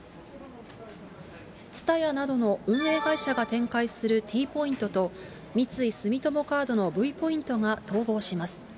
ＴＳＵＴＡＹＡなどの運営会社が展開するＴポイントと、三井住友カードのＶポイントが統合します。